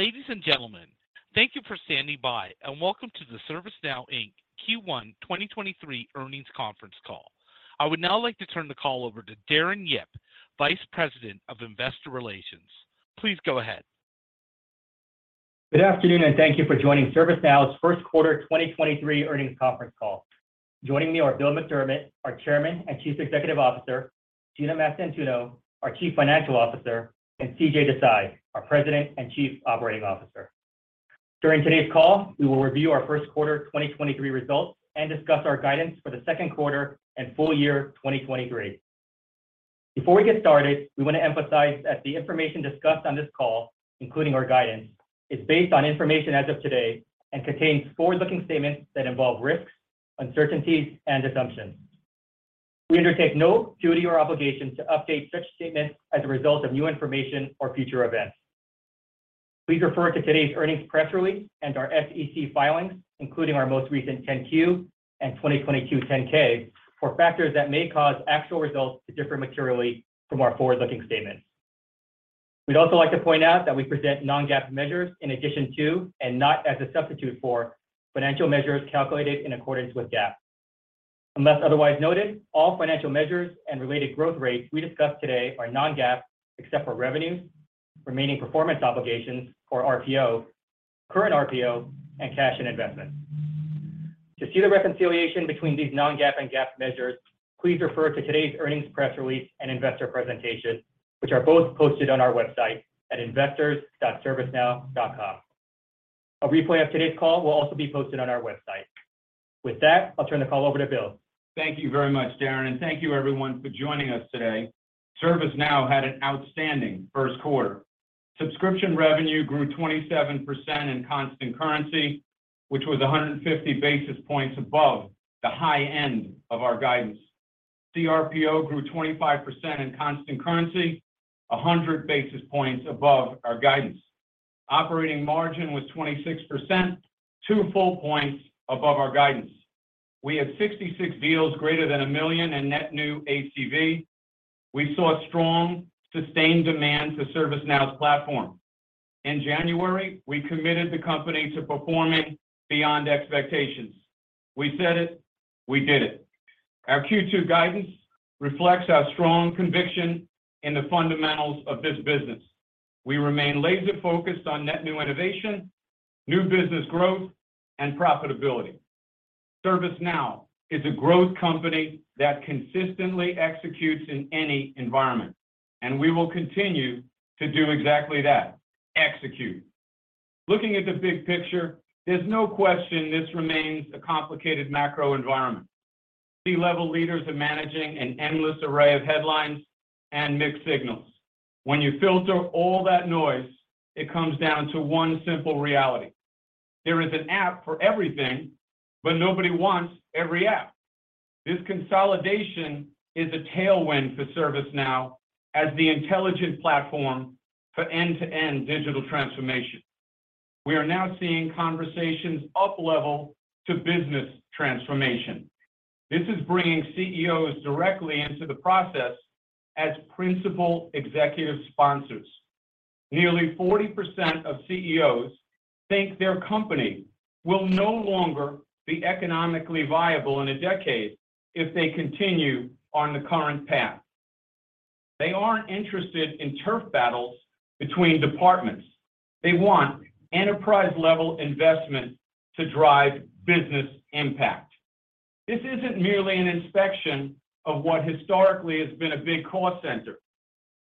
Ladies and gentlemen, thank you for standing by and welcome to the ServiceNow, Inc. Q1 2023 earnings conference call. I would now like to turn the call over to Darren Yip, Vice President of Investor Relations. Please go ahead. Good afternoon, and thank you for joining ServiceNow's First Quarter 2023 Earnings Conference Call. Joining me are Bill McDermott, our Chairman and Chief Executive Officer, Gina Mastantuono, our Chief Financial Officer, and CJ Desai, our President and Chief Operating Officer. During today's call, we will review our first quarter 2023 results and discuss our guidance for the second quarter and full year 2023. Before we get started, we wanna emphasize that the information discussed on this call, including our guidance, is based on information as of today and contains forward-looking statements that involve risks, uncertainties, and assumptions. We undertake no duty or obligation to update such statements as a result of new information or future events. Please refer to today's earnings press release and our SEC filings, including our most recent 10-Q and 2022 10-K, for factors that may cause actual results to differ materially from our forward-looking statements. We'd also like to point out that we present non-GAAP measures in addition to, and not as a substitute for, financial measures calculated in accordance with GAAP. Unless otherwise noted, all financial measures and related growth rates we discussed today are non-GAAP, except for revenues, remaining performance obligations or RPO, current RPO, and cash and investments. To see the reconciliation between these non-GAAP and GAAP measures, please refer to today's earnings press release and investor presentation, which are both posted on our website at investor.servicenow.com. A replay of today's call will also be posted on our website. With that, I'll turn the call over to Bill. Thank you very much, Darren, thank you everyone for joining us today. ServiceNow had an outstanding first quarter. Subscription revenue grew 27% in constant currency, which was 150 basis points above the high end of our guidance. CRPO grew 25% in constant currency, 100 basis points above our guidance. Operating margin was 26%, 2 full points above our guidance. We had 66 deals greater than $1 million in net new ACV. We saw strong, sustained demand for ServiceNow's platform. In January, we committed the company to performing beyond expectations. We said it, we did it. Our Q2 guidance reflects our strong conviction in the fundamentals of this business. We remain laser-focused on net new innovation, new business growth, and profitability. ServiceNow is a growth company that consistently executes in any environment, and we will continue to do exactly that, execute. Looking at the big picture, there's no question this remains a complicated macro environment. C-level leaders are managing an endless array of headlines and mixed signals. When you filter all that noise, it comes down to one simple reality. There is an app for everything, but nobody wants every app. This consolidation is a tailwind for ServiceNow as the intelligent platform for end-to-end digital transformation. We are now seeing conversations up level to business transformation. This is bringing CEOs directly into the process as principal executive sponsors. Nearly 40% of CEOs think their company will no longer be economically viable in a decade if they continue on the current path. They aren't interested in turf battles between departments. They want enterprise-level investment to drive business impact. This isn't merely an inspection of what historically has been a big cost center.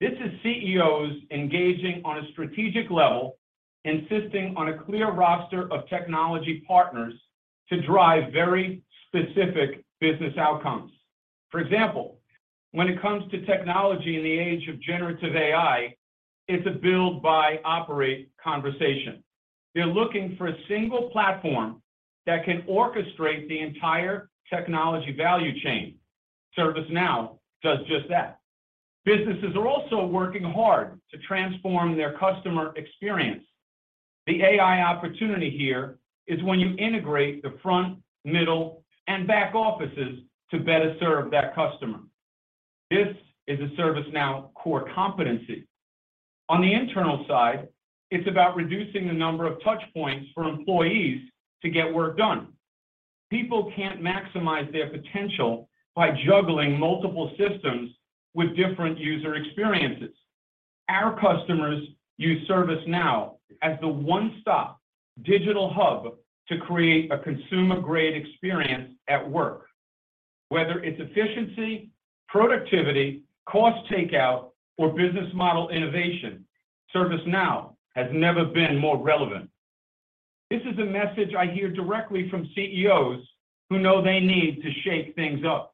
This is CEOs engaging on a strategic level, insisting on a clear roster of technology partners to drive very specific business outcomes. For example, when it comes to technology in the age of generative AI, it's a build by operate conversation. They're looking for a single platform that can orchestrate the entire technology value chain. ServiceNow does just that. Businesses are also working hard to transform their customer experience. The AI opportunity here is when you integrate the front, middle, and back offices to better serve that customer. This is a ServiceNow core competency. On the internal side, it's about reducing the number of touch points for employees to get work done. People can't maximize their potential by juggling multiple systems with different user experiences. Our customers use ServiceNow as the one-stop digital hub to create a consumer-grade experience at work. Whether it's efficiency, productivity, cost takeout, or business model innovation, ServiceNow has never been more relevant. This is a message I hear directly from CEOs who know they need to shake things up,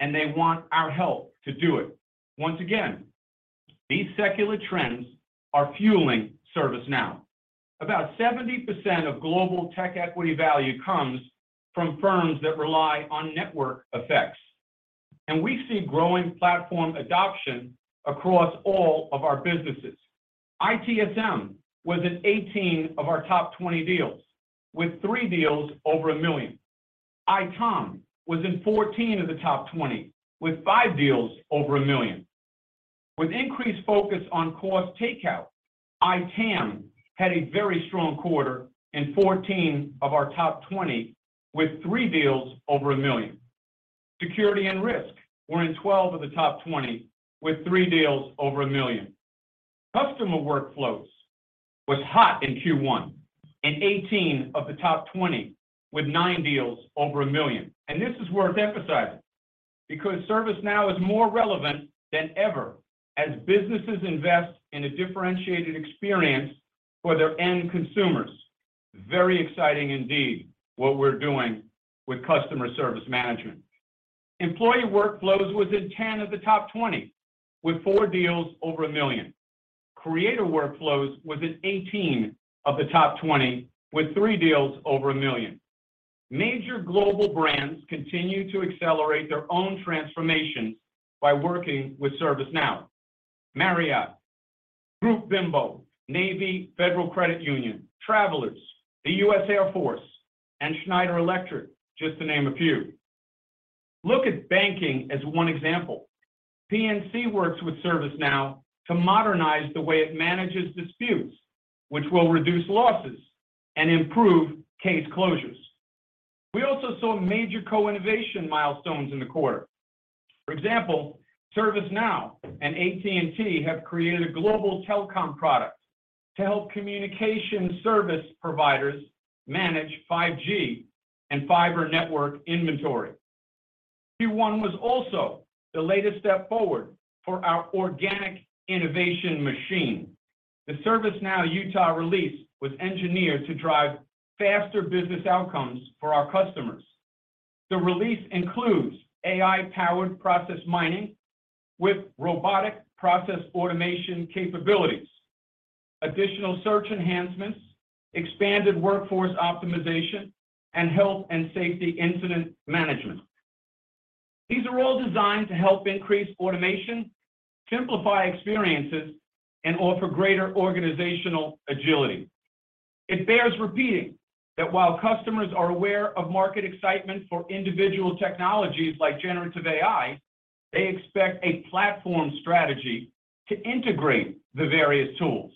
and they want our help to do it. Once again, these secular trends are fueling ServiceNow. About 70% of global tech equity value comes from firms that rely on network effects, and we see growing platform adoption across all of our businesses. ITSM was in 18 of our top 20 deals, with 3 deals over $1 million. ITOM was in 14 of the top 20, with 5 deals over $1 million. With increased focus on cost takeout, ITAM had a very strong quarter in 14 of our top 20, with 3 deals over $1 million. Security and risk were in 12 of the top 20, with 3 deals over $1 million. Customer workflows was hot in Q1 in 18 of the top 20, with 9 deals over $1 million. This is worth emphasizing because ServiceNow is more relevant than ever as businesses invest in a differentiated experience for their end consumers. Very exciting indeed what we're doing with customer service management. Employee workflows was in 10 of the top 20, with 4 deals over $1 million. Creator workflows was in 18 of the top 20, with 3 deals over $1 million. Major global brands continue to accelerate their own transformation by working with ServiceNow. Marriott, Grupo Bimbo, Navy Federal Credit Union, Travelers, the U.S. Air Force, and Schneider Electric, just to name a few. Look at banking as one example. PNC works with ServiceNow to modernize the way it manages disputes, which will reduce losses and improve case closures. We also saw major co-innovation milestones in the quarter. For example, ServiceNow and AT&T have created a global telecom product to help communication service providers manage 5G and fiber network inventory. Q1 was also the latest step forward for our organic innovation machine. The ServiceNow Utah release was engineered to drive faster business outcomes for our customers. The release includes AI-powered Process Mining with robotic process automation capabilities, additional search enhancements, expanded workforce optimization, and health and safety incident management. These are all designed to help increase automation, simplify experiences, and offer greater organizational agility. It bears repeating that while customers are aware of market excitement for individual technologies like generative AI, they expect a platform strategy to integrate the various tools.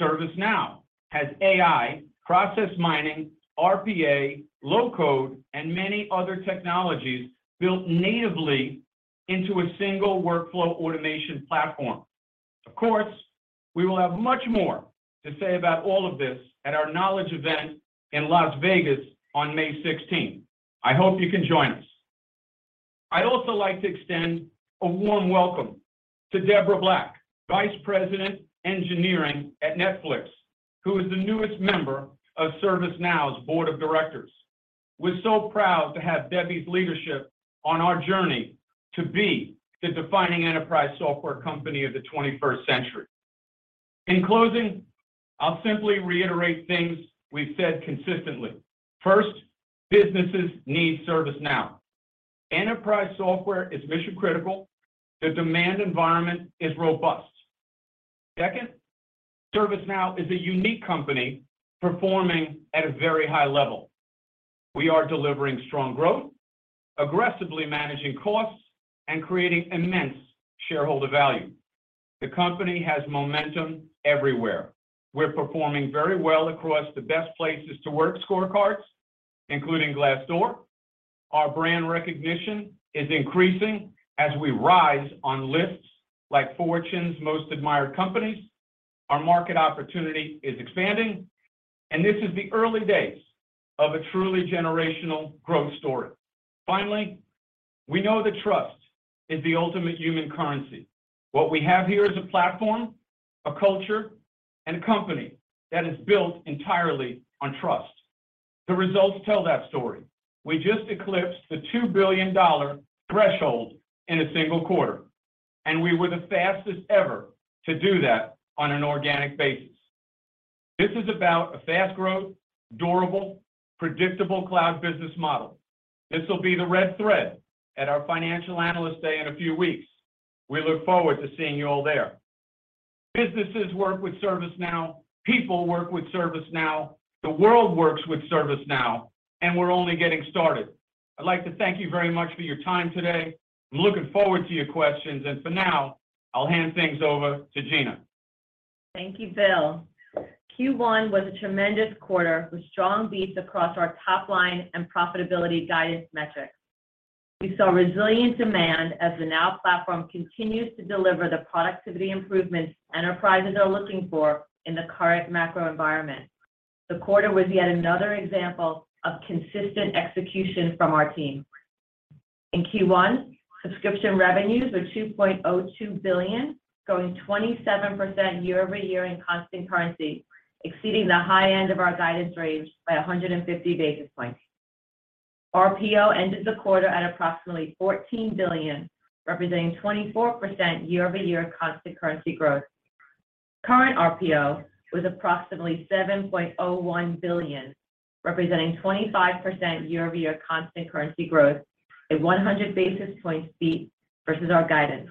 ServiceNow has AI, Process Mining, RPA, low-code, and many other technologies built natively into a single workflow automation platform. Of course, we will have much more to say about all of this at our Knowledge event in Las Vegas on May 16th. I hope you can join us. I'd also like to extend a warm welcome to Debora Black, Vice President, Engineering at Netflix, who is the newest member of ServiceNow's board of directors. We're so proud to have Debbie's leadership on our journey to be the defining enterprise software company of the 21st century. In closing, I'll simply reiterate things we've said consistently. First, businesses need ServiceNow. Enterprise software is mission-critical. The demand environment is robust. Second, ServiceNow is a unique company performing at a very high level. We are delivering strong growth, aggressively managing costs, and creating immense shareholder value. The company has momentum everywhere. We're performing very well across the best places to work scorecards, including Glassdoor. Our brand recognition is increasing as we rise on lists like Fortune's Most Admired Companies. Our market opportunity is expanding. This is the early days of a truly generational growth story. Finally, we know that trust is the ultimate human currency. What we have here is a platform, a culture, and a company that is built entirely on trust. The results tell that story. We just eclipsed the $2 billion threshold in a single quarter. We were the fastest ever to do that on an organic basis. This is about a fast-growth, durable, predictable cloud business model. This will be the red thread at our financial analyst day in a few weeks. We look forward to seeing you all there. Businesses work with ServiceNow. People work with ServiceNow. The world works with ServiceNow. We're only getting started. I'd like to thank you very much for your time today. I'm looking forward to your questions, and for now, I'll hand things over to Gina. Thank you, Bill. Q1 was a tremendous quarter with strong beats across our top-line and profitability guidance metrics. We saw resilient demand as the Now Platform continues to deliver the productivity improvements enterprises are looking for in the current macro environment. The quarter was yet another example of consistent execution from our team. In Q1, subscription revenues were $2.02 billion, growing 27% year-over-year in constant currency, exceeding the high end of our guidance range by 150 basis points. RPO ended the quarter at approximately $14 billion, representing 24% year-over-year constant currency growth. Current RPO was approximately $7.01 billion, representing 25% year-over-year constant currency growth, a 100 basis point beat versus our guidance.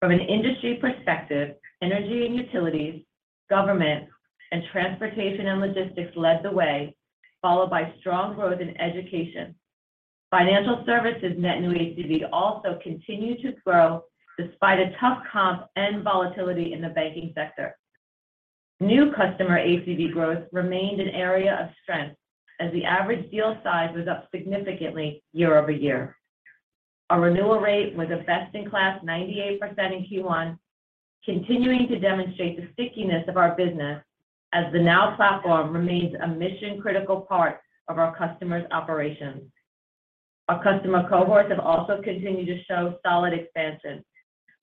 From an industry perspective, energy and utilities, government, and transportation and logistics led the way, followed by strong growth in education. Financial services net new ACV also continued to grow despite a tough comp and volatility in the banking sector. New customer ACV growth remained an area of strength as the average deal size was up significantly year-over-year. Our renewal rate was a best-in-class 98% in Q1, continuing to demonstrate the stickiness of our business as the Now Platform remains a mission-critical part of our customers' operations. Our customer cohorts have also continued to show solid expansion.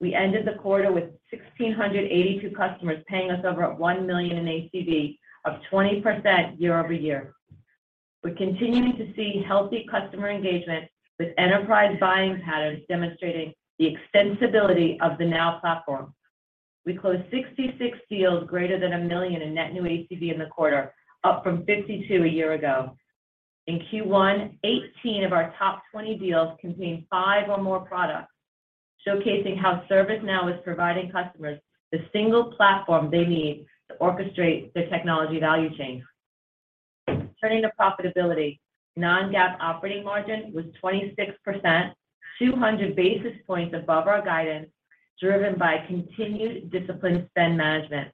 We ended the quarter with 1,682 customers paying us over $1 million in ACV of 20% year-over-year. We're continuing to see healthy customer engagement with enterprise buying patterns demonstrating the extensibility of the Now Platform. We closed 66 deals greater than $1 million in net new ACV in the quarter, up from 52 a year ago. In Q1, 18 of our top 20 deals contained 5 or more products, showcasing how ServiceNow is providing customers the single platform they need to orchestrate their technology value chain. Turning to profitability, non-GAAP operating margin was 26%, 200 basis points above our guidance, driven by continued disciplined spend management.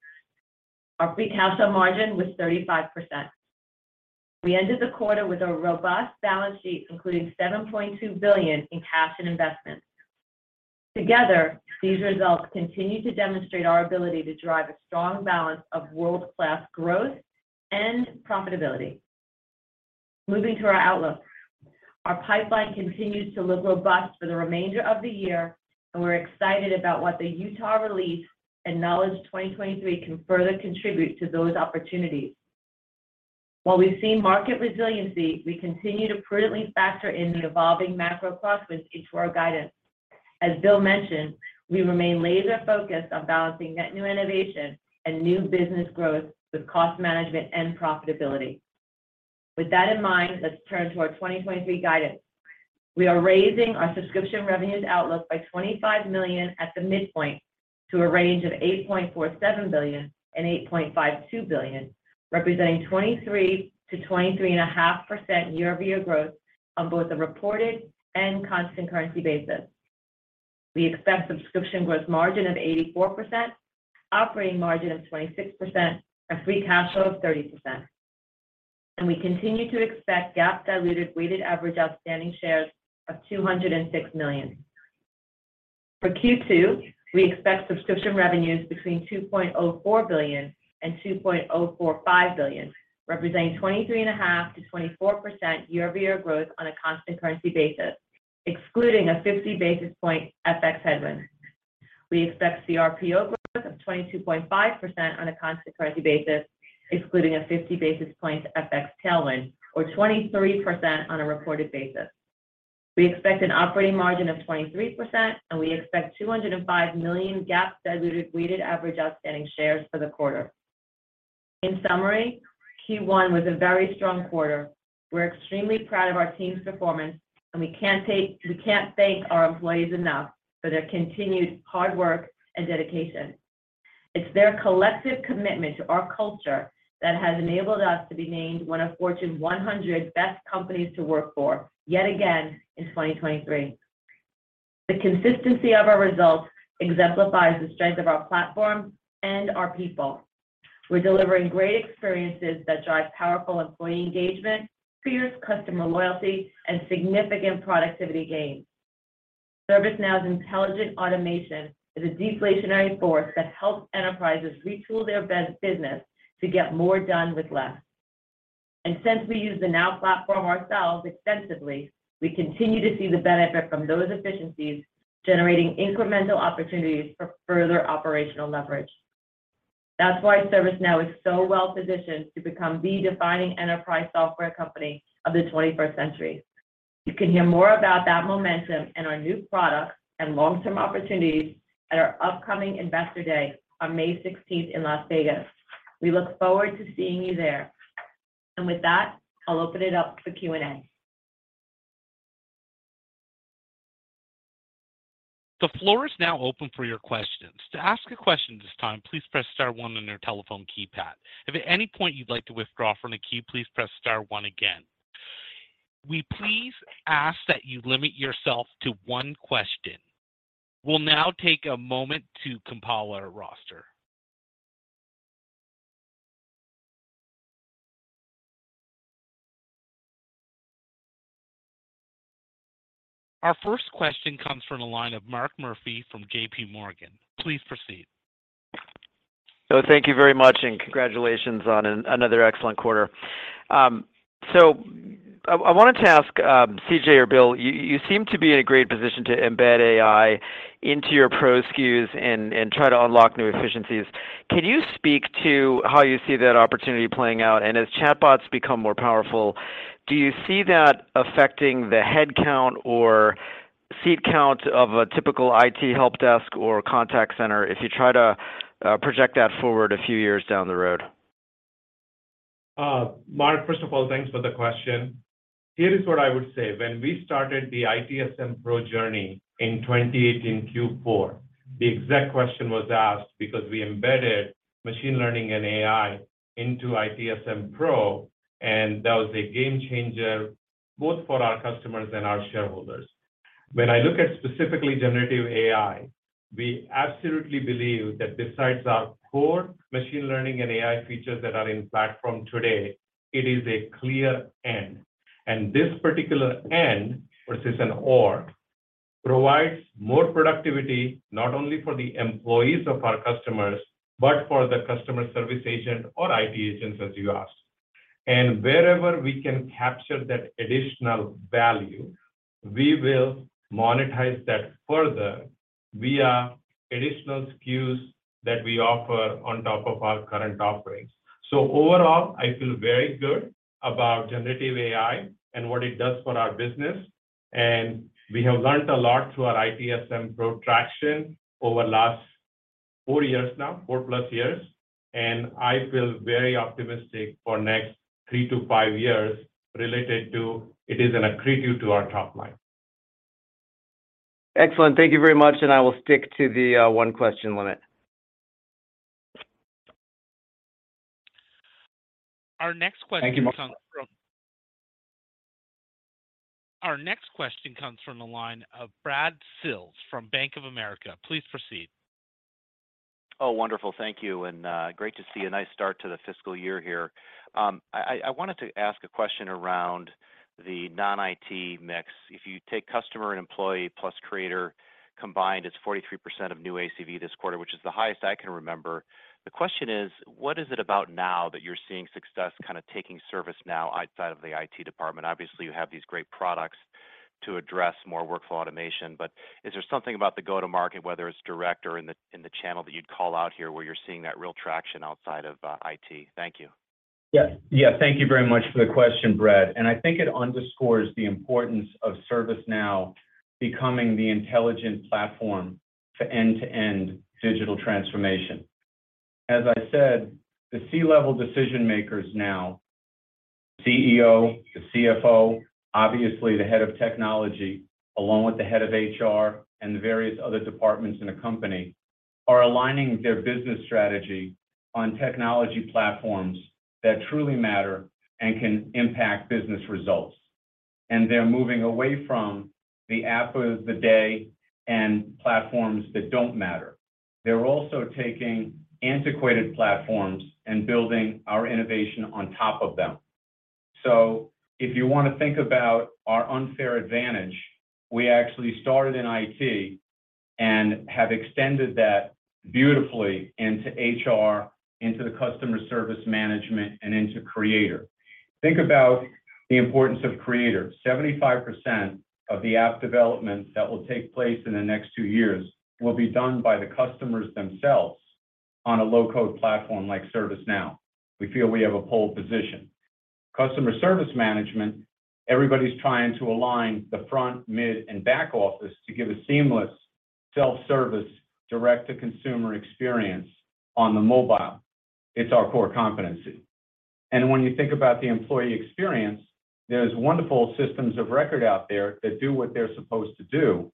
Our free cash flow margin was 35%. We ended the quarter with a robust balance sheet, including $7.2 billion in cash and investments. Together, these results continue to demonstrate our ability to drive a strong balance of world-class growth and profitability. Moving to our outlook. Our pipeline continues to look robust for the remainder of the year, and we're excited about what the Utah release and Knowledge 2023 can further contribute to those opportunities. While we've seen market resiliency, we continue to prudently factor in the evolving macro prospects into our guidance. As Bill mentioned, we remain laser-focused on balancing net new innovation and new business growth with cost management and profitability. With that in mind, let's turn to our 2023 guidance. We are raising our subscription revenues outlook by $25 million at the midpoint to a range of $8.47 billion and $8.52 billion, representing 23%-23.5% year-over-year growth on both a reported and constant currency basis. We expect subscription growth margin of 84%, operating margin of 26%, and free cash flow of 30%. We continue to expect GAAP diluted weighted average outstanding shares of 206 million. For Q2, we expect subscription revenues between $2.04 billion-$2.045 billion, representing 23.5%-24% year-over-year growth on a constant currency basis, excluding a 50 basis point FX headwind. We expect CRPO growth of 22.5% on a constant currency basis, excluding a 50 basis point FX tailwind, or 23% on a reported basis. We expect an operating margin of 23%, and we expect 205 million GAAP diluted weighted average outstanding shares for the quarter. In summary, Q1 was a very strong quarter. We're extremely proud of our team's performance, and we can't thank our employees enough for their continued hard work and dedication. It's their collective commitment to our culture that has enabled us to be named one of Fortune 100 Best Companies to Work For yet again in 2023. The consistency of our results exemplifies the strength of our Platform and our people. We're delivering great experiences that drive powerful employee engagement, fierce customer loyalty, and significant productivity gains. ServiceNow's intelligent automation is a deflationary force that helps enterprises retool their business to get more done with less. Since we use the Now Platform ourselves extensively, we continue to see the benefit from those efficiencies, generating incremental opportunities for further operational leverage. That's why ServiceNow is so well-positioned to become the defining enterprise software company of the 21st century. You can hear more about that momentum and our new products and long-term opportunities at our upcoming Investor Day on May 16th in Las Vegas. We look forward to seeing you there. With that, I'll open it up for Q&A. The floor is now open for your questions. To ask a question at this time, please press star one on your telephone keypad. If at any point you'd like to withdraw from the queue, please press star one again. We please ask that you limit yourself to one question. We'll now take a moment to compile our roster. Our first question comes from the line of Mark Murphy from J.P. Morgan. Please proceed. Thank you very much, and congratulations on another excellent quarter. I wanted to ask, CJ or Bill, you seem to be in a great position to embed AI into your pro SKUs and try to unlock new efficiencies. Can you speak to how you see that opportunity playing out? As chatbots become more powerful, do you see that affecting the headcount or seat count of a typical IT help desk or contact center as you try to project that forward a few years down the road? Mark, first of all, thanks for the question. Here is what I would say. When we started the ITSM Pro journey in 2018 Q4, the exact question was asked because we embedded machine learning and AI into ITSM Pro, and that was a game changer both for our customers and our shareholders. When I look at specifically generative AI, we absolutely believe that besides our core machine learning and AI features that are in platform today, it is a clear and. This particular and versus an or provides more productivity, not only for the employees of our customers, but for the customer service agent or IT agents, as you ask. Wherever we can capture that additional value, we will monetize that further via additional SKUs that we offer on top of our current offerings. Overall, I feel very good about generative AI and what it does for our business, and we have learned a lot through our ITSM Pro traction over last 4 years now, 4+ years. I feel very optimistic for next 3-5 years related to it is an accretive to our top line. Excellent. Thank you very much. I will stick to the 1 question limit. Our next question comes from. Thank you, Mark. Our next question comes from the line of Brad Sills from Bank of America. Please proceed. Oh, wonderful. Thank you. Great to see a nice start to the fiscal year here. I wanted to ask a question around the non-IT mix. If you take customer and employee plus creator combined, it's 43% of new ACV this quarter, which is the highest I can remember. The question is, what is it about now that you're seeing success kinda taking ServiceNow outside of the IT department? Obviously, you have these great products to address more workflow automation, but is there something about the go-to-market, whether it's direct or in the channel that you'd call out here, where you're seeing that real traction outside of IT? Thank you. Yeah. Yeah. Thank you very much for the question, Brad. I think it underscores the importance of ServiceNow becoming the intelligent platform for end-to-end digital transformation. As I said, the C-level decision makers now, CEO, the CFO, obviously the head of technology, along with the head of HR, and the various other departments in a company, are aligning their business strategy on technology platforms that truly matter and can impact business results. They're moving away from the app of the day and platforms that don't matter. They're also taking antiquated platforms and building our innovation on top of them. If you wanna think about our unfair advantage, we actually started in IT and have extended that beautifully into HR, into the customer service management, and into Creator. Think about the importance of Creator. 75% of the app development that will take place in the next 2 years will be done by the customers themselves on a low-code platform like ServiceNow. We feel we have a pole position. Customer service management, everybody's trying to align the front, mid, and back office to give a seamless self-service direct-to-consumer experience on the mobile. It's our core competency. When you think about the employee experience, there's wonderful systems of record out there that do what they're supposed to do,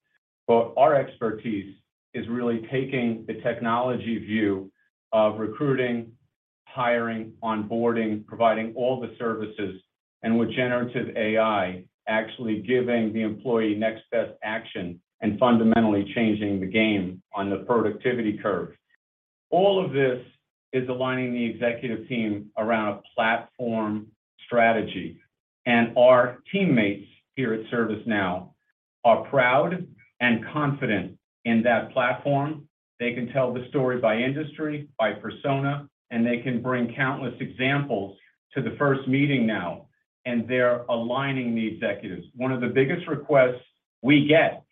but our expertise is really taking the technology view of recruiting, hiring, onboarding, providing all the services, and with generative AI, actually giving the employee next best action and fundamentally changing the game on the productivity curve. All of this is aligning the executive team around a platform strategy. Our teammates here at ServiceNow are proud and confident in that platform. They can tell the story by industry, by persona, and they can bring countless examples to the first meeting now, and they're aligning the executives. One of the biggest requests we get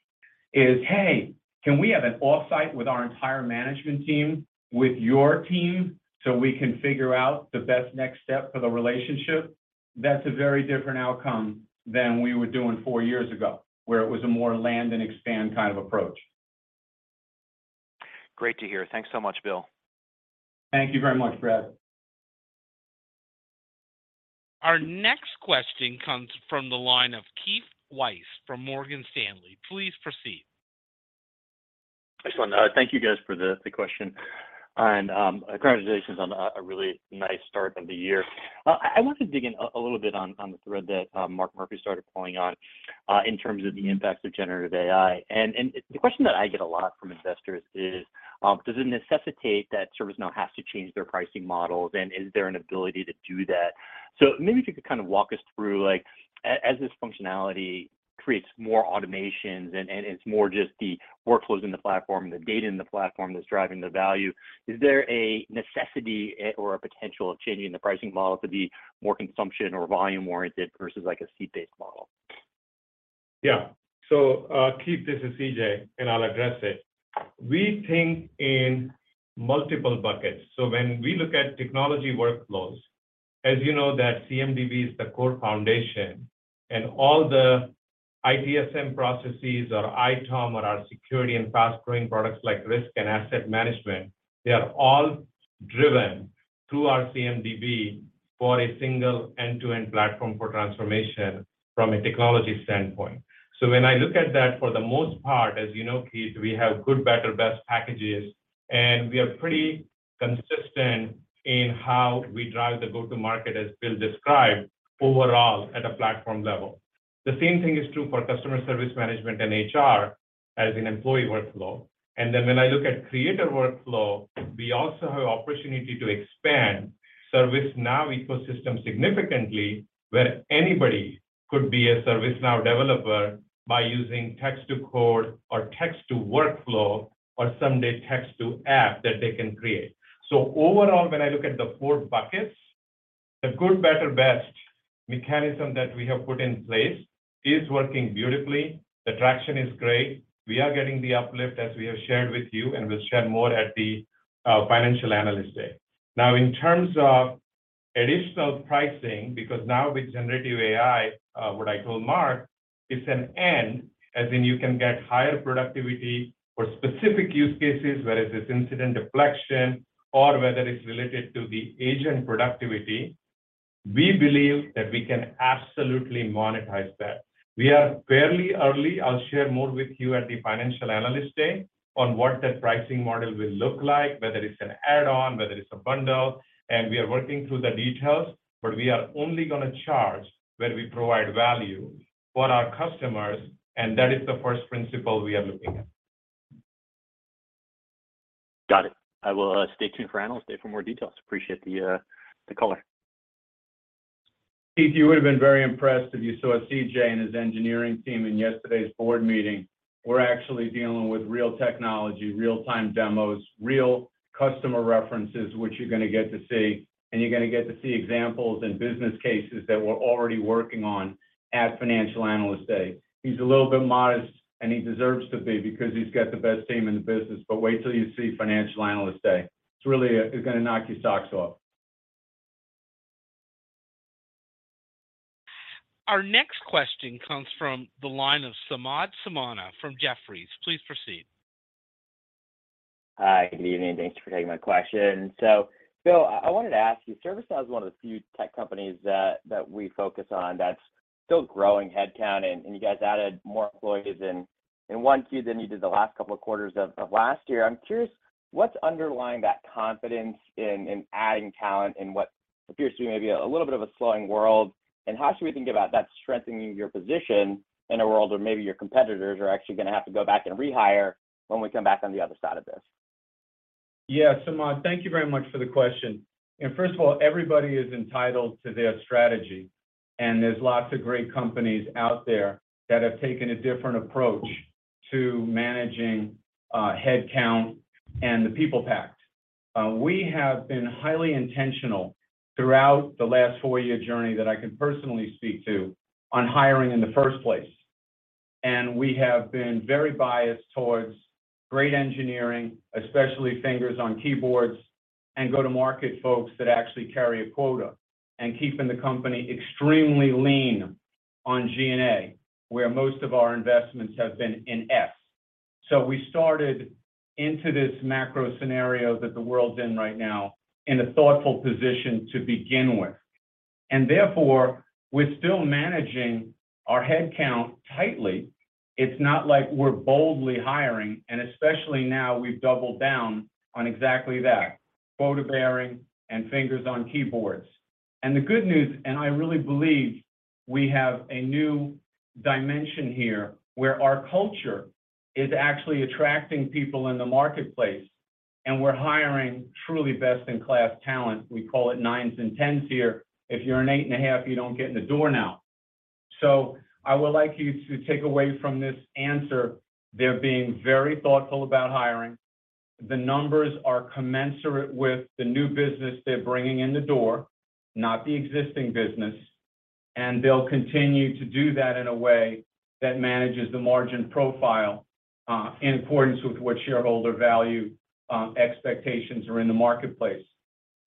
is, "Hey, can we have an off-site with our entire management team, with your team, so we can figure out the best next step for the relationship?" That's a very different outcome than we were doing four years ago, where it was a more land and expand kind of approach. Great to hear. Thanks so much, Bill. Thank you very much, Brad. Our next question comes from the line of Keith Weiss from Morgan Stanley. Please proceed. Excellent. Thank you guys for the question. Congratulations on a really nice start of the year. I want to dig in a little bit on the thread that Mark Murphy started pulling on in terms of the impacts of generative AI. The question that I get a lot from investors is, does it necessitate that ServiceNow has to change their pricing models, and is there an ability to do that? Maybe if you could kinda walk us through, like, as this functionality creates more automations and it's more just the workflows in the platform, the data in the platform that's driving the value, is there a necessity or a potential of changing the pricing model to be more consumption or volume-oriented versus like a seat-based model? Yeah. Keith, this is CJ, and I'll address it. We think in multiple buckets. When we look at technology workflows, as you know that CMDB is the core foundation, and all the ITSM processes or ITOM or our security and fast-growing products like risk and asset management, they are all driven through our CMDB for a single end-to-end platform for transformation from a technology standpoint. When I look at that, for the most part, as you know, Keith, we have good better best packages, and we are pretty consistent in how we drive the go-to-market as Bill described overall at a platform level. The same thing is true for customer service management and HR as an employee workflow. When I look at creator workflow, we also have opportunity to expand ServiceNow ecosystem significantly where anybody could be a ServiceNow developer by using text to code or text to workflow or someday text to app that they can create. When I look at the four buckets, the good better best mechanism that we have put in place is working beautifully. The traction is great. We are getting the uplift as we have shared with you, and we'll share more at the Financial Analyst Day. In terms of additional pricing, because now with generative AI, what I told Mark, it's an N, as in you can get higher productivity for specific use cases, whether it's incident deflection or whether it's related to the agent productivity. We believe that we can absolutely monetize that. We are fairly early. I'll share more with you at the Financial Analyst Day on what that pricing model will look like, whether it's an add-on, whether it's a bundle, and we are working through the details. We are only gonna charge where we provide value for our customers, and that is the first principle we are looking at. Got it. I will stay tuned for analyst day for more details. Appreciate the color. Keith, you would have been very impressed if you saw CJ and his engineering team in yesterday's board meeting. We're actually dealing with real technology, real-time demos, real customer references, which you're gonna get to see, and you're gonna get to see examples and business cases that we're already working on at Financial Analyst Day. He's a little bit modest, and he deserves to be because he's got the best team in the business. Wait till you see Financial Analyst Day. It's really, it's gonna knock your socks off. Our next question comes from the line of Samad Samana from Jefferies. Please proceed. Hi. Good evening. Thanks for taking my question. Bill, I wanted to ask you. ServiceNow is one of the few tech companies that we focus on that's still growing headcount, and you guys added more employees in 1Q than you did the last couple of quarters of last year. I'm curious, what's underlying that confidence in adding talent in what appears to be maybe a little bit of a slowing world? How should we think about that strengthening your position in a world where maybe your competitors are actually gonna have to go back and rehire when we come back on the other side of this? Samad, thank you very much for the question. First of all, everybody is entitled to their strategy, and there's lots of great companies out there that have taken a different approach to managing headcount and the people pact. We have been highly intentional throughout the last 4-year journey that I can personally speak to on hiring in the first place. We have been very biased towards great engineering, especially fingers on keyboards and go to market folks that actually carry a quota, and keeping the company extremely lean on G&A, where most of our investments have been in F. We started into this macro scenario that the world's in right now in a thoughtful position to begin with. Therefore, we're still managing our headcount tightly. It's not like we're boldly hiring. Especially now we've doubled down on exactly that, quota-bearing and fingers on keyboards. The good news, and I really believe we have a new dimension here, where our culture is actually attracting people in the marketplace, and we're hiring truly best-in-class talent. We call it 9s and 10s here. If you're an 8.5, you don't get in the door now. I would like you to take away from this answer, they're being very thoughtful about hiring. The numbers are commensurate with the new business they're bringing in the door, not the existing business. They'll continue to do that in a way that manages the margin profile, in accordance with what shareholder value, expectations are in the marketplace.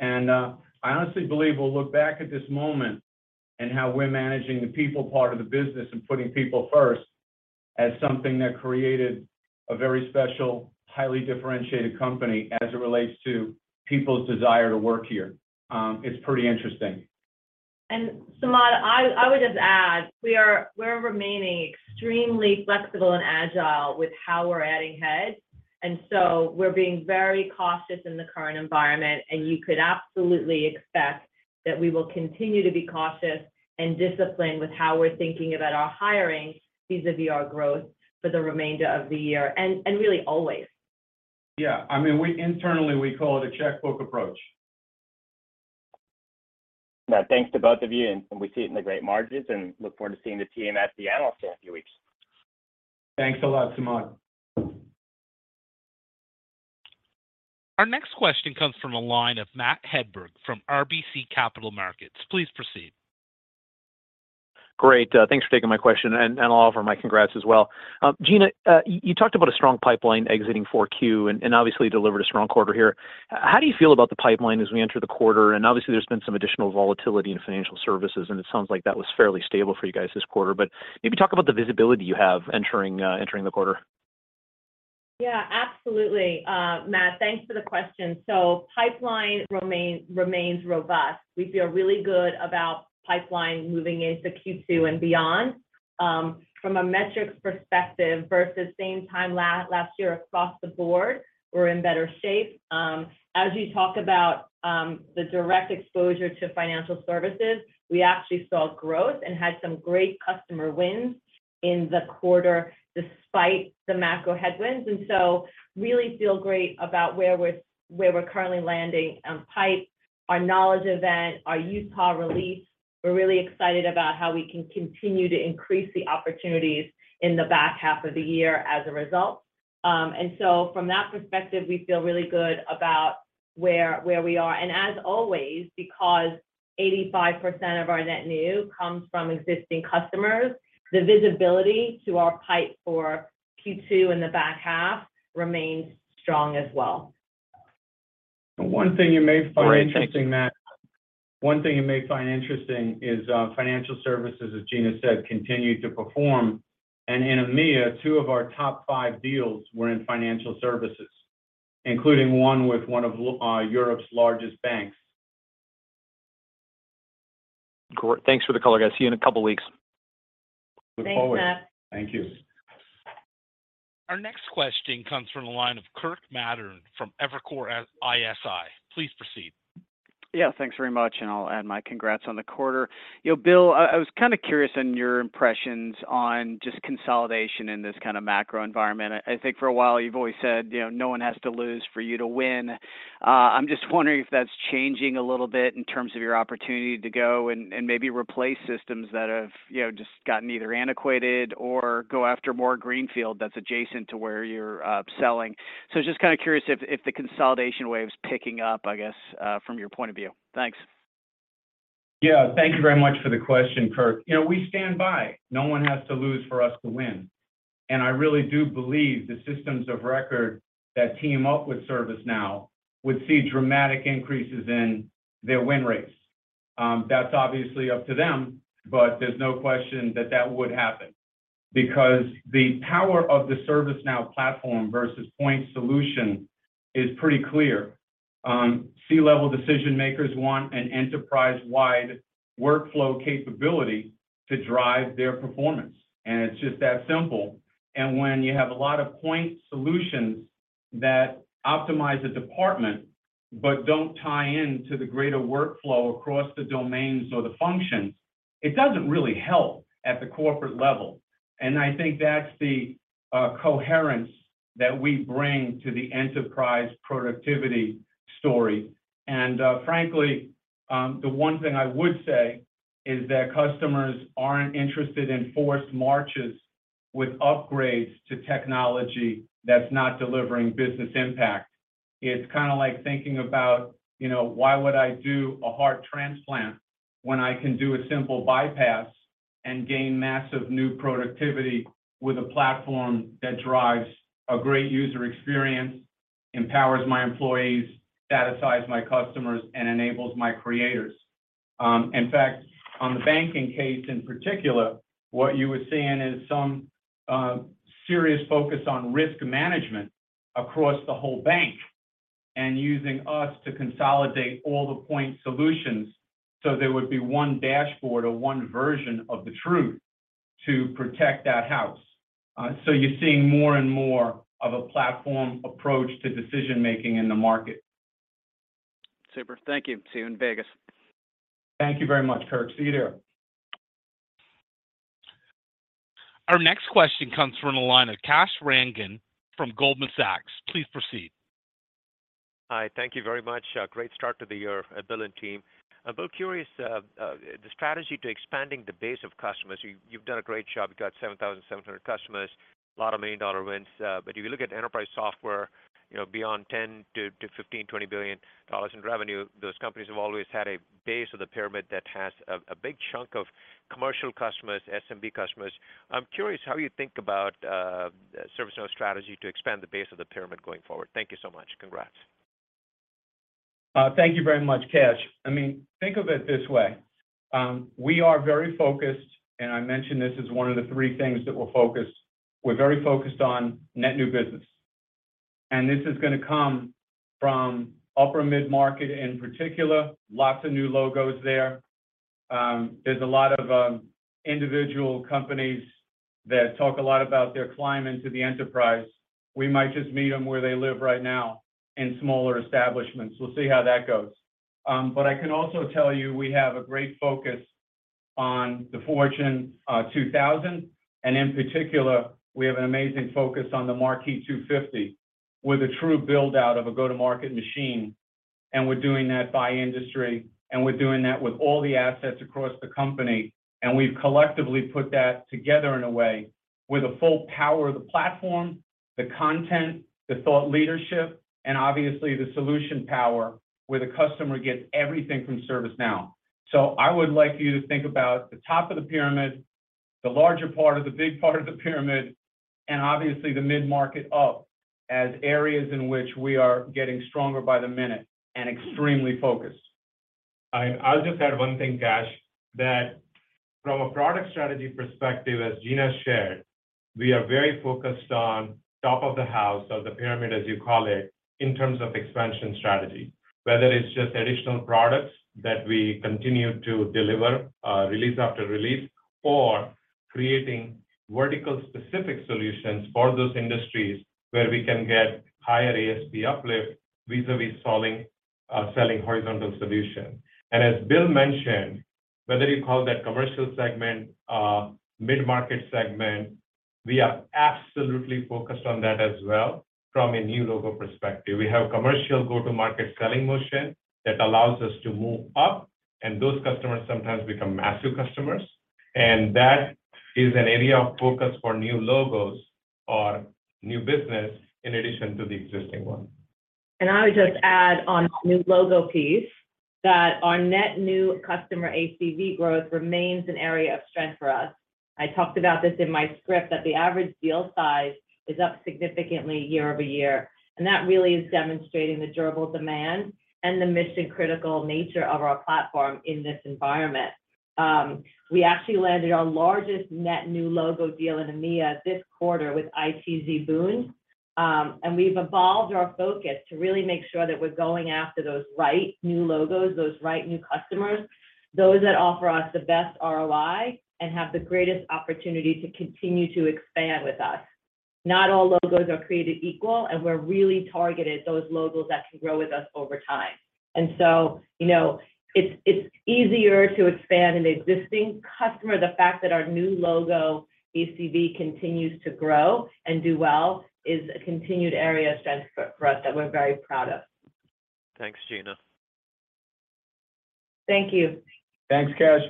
I honestly believe we'll look back at this moment and how we're managing the people part of the business and putting people first as something that created a very special, highly differentiated company as it relates to people's desire to work here. It's pretty interesting. Samad, I would just add, we're remaining extremely flexible and agile with how we're adding heads, so we're being very cautious in the current environment. You could absolutely expect that we will continue to be cautious and disciplined with how we're thinking about our hiring vis-à-vis our growth for the remainder of the year, and really always. Yeah. I mean, we internally, we call it a checkbook approach. Yeah. Thanks to both of you, and we see it in the great margins and look forward to seeing the team at the analyst in a few weeks. Thanks a lot, Samad. Our next question comes from a line of Matt Hedberg from RBC Capital Markets. Please proceed. Great. Thanks for taking my question, and I'll offer my congrats as well. Gina, you talked about a strong pipeline exiting four Q, and obviously delivered a strong quarter here. How do you feel about the pipeline as we enter the quarter? Obviously, there's been some additional volatility in financial services, and it sounds like that was fairly stable for you guys this quarter. Maybe talk about the visibility you have entering the quarter. Yeah, absolutely, Matt. Thanks for the question. Pipeline remains robust. We feel really good about pipeline moving into Q2 and beyond. From a metrics perspective versus same time last year across the board, we're in better shape. As you talk about the direct exposure to financial services, we actually saw growth and had some great customer wins in the quarter despite the macro headwinds. Really feel great about where we're currently landing on pipe, our Knowledge event, our Utah release. We're really excited about how we can continue to increase the opportunities in the back half of the year as a result. From that perspective, we feel really good about where we are. As always, because 85% of our net new comes from existing customers, the visibility to our pipe for Q2 in the back half remains strong as well. One thing you may find interesting is financial services, as Gina said, continued to perform. In EMEA, 2 of our top 5 deals were in financial services, including one with one of Europe's largest banks. Cool. Thanks for the color, guys. See you in a couple weeks. Thanks, Matt. Look forward. Thank you. Our next question comes from the line of Kirk Materne from Evercore ISI. Please proceed. Yeah, thanks very much, and I'll add my congrats on the quarter. You know, Bill, I was kinda curious on your impressions on just consolidation in this kinda macro environment. I think for a while you've always said, you know, no one has to lose for you to win. I'm just wondering if that's changing a little bit in terms of your opportunity to go and maybe replace systems that have, you know, just gotten either antiquated or go after more greenfield that's adjacent to where you're selling. Just kinda curious if the consolidation wave's picking up, I guess, from your point of view. Thanks. Yeah. Thank you very much for the question, Kirk. You know, we stand by no one has to lose for us to win. I really do believe the systems of record that team up with ServiceNow would see dramatic increases in their win rates. That's obviously up to them, but there's no question that that would happen because the power of the ServiceNow platform versus point solution is pretty clear. C-level decision makers want an enterprise-wide workflow capability to drive their performance, and it's just that simple. When you have a lot of point solutions that optimize a department but don't tie in to the greater workflow across the domains or the functions, it doesn't really help at the corporate level. I think that's the coherence that we bring to the enterprise productivity story. Frankly, the 1 thing I would say is that customers aren't interested in forced marches with upgrades to technology that's not delivering business impact. It's kinda like thinking about, you know, why would I do a heart transplant when I can do a simple bypass and gain massive new productivity with a platform that drives a great user experience, empowers my employees, satisfies my customers, and enables my creators? In fact, on the banking case in particular, what you were seeing is some serious focus on risk management across the whole bank and using us to consolidate all the point solutions, so there would be 1 dashboard or 1 version of the truth to protect that house. You're seeing more and more of a platform approach to decision-making in the market. Super. Thank you. See you in Vegas. Thank you very much, Kirk. See you there. Our next question comes from the line of Kash Rangan from Goldman Sachs. Please proceed. Hi, thank you very much. A great start to the year, Bill and team. A bit curious, the strategy to expanding the base of customers. You've done a great job. You've got 7,700 customers, a lot of million-dollar wins. If you look at enterprise software, you know, beyond $10 billion-$15 billion, $20 billion in revenue, those companies have always had a base of the pyramid that has a big chunk of commercial customers, SMB customers. I'm curious how you think about ServiceNow's strategy to expand the base of the pyramid going forward. Thank you so much. Congrats. Thank you very much, Kash. I mean, think of it this way. We are very focused, and I mentioned this as one of the three things that we're focused. We're very focused on net new business, and this is gonna come from upper mid-market in particular, lots of new logos there. There's a lot of individual companies that talk a lot about their climb into the enterprise. We might just meet them where they live right now in smaller establishments. We'll see how that goes. I can also tell you we have a great focus on the Fortune 2,000, and in particular, we have an amazing focus on the Marquee 250 with a true build-out of a go-to-market machine, and we're doing that by industry, and we're doing that with all the assets across the company, and we've collectively put that together in a way with the full power of the platform, the content, the thought leadership, and obviously the solution power where the customer gets everything from ServiceNow. I would like you to think about the top of the pyramid, the larger part or the big part of the pyramid, and obviously the mid-market up as areas in which we are getting stronger by the minute and extremely focused. I'll just add one thing, Kash, that from a product strategy perspective, as Gina shared, we are very focused on top of the house or the pyramid, as you call it, in terms of expansion strategy. Whether it's just additional products that we continue to deliver, release after release, or creating vertical specific solutions for those industries where we can get higher ASP uplift vis-a-vis selling horizontal solution. As Bill mentioned, whether you call that commercial segment, mid-market segment, we are absolutely focused on that as well from a new logo perspective. We have commercial go-to-market selling motion that allows us to move up, and those customers sometimes become massive customers, and that is an area of focus for new logos or new business in addition to the existing one. I would just add on new logo piece that our net new customer ACV growth remains an area of strength for us. I talked about this in my script, that the average deal size is up significantly year-over-year, and that really is demonstrating the durable demand and the mission-critical nature of our platform in this environment. We actually landed our largest net new logo deal in EMEA this quarter with ITZBund. We've evolved our focus to really make sure that we're going after those right new logos, those right new customers, those that offer us the best ROI and have the greatest opportunity to continue to expand with us. Not all logos are created equal, and we're really targeted those logos that can grow with us over time. You know, it's easier to expand an existing customer. The fact that our new logo ACV continues to grow and do well is a continued area of strength for us that we're very proud of. Thanks, Gina. Thank you. Thanks, Kash.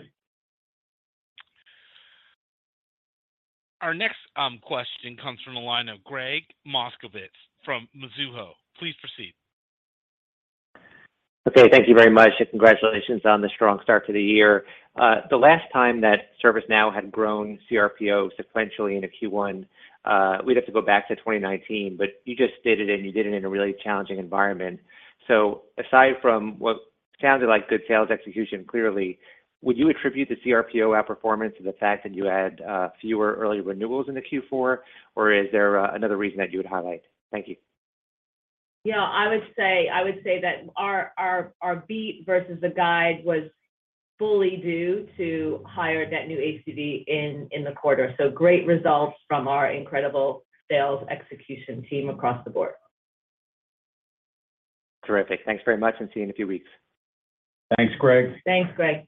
Our next question comes from the line of Gregg Moskowitz from Mizuho. Please proceed. Okay, thank you very much and congratulations on the strong start to the year. The last time that ServiceNow had grown CRPO sequentially in a Q1, we'd have to go back to 2019, but you just did it and you did it in a really challenging environment. Aside from what sounded like good sales execution, clearly, would you attribute the CRPO outperformance to the fact that you had fewer early renewals in the Q4, or is there another reason that you would highlight? Thank you. Yeah, I would say that our beat versus the guide was fully due to higher net new ACV in the quarter. Great results from our incredible sales execution team across the board. Terrific. Thanks very much and see you in a few weeks. Thanks, Greg. Thanks, Greg.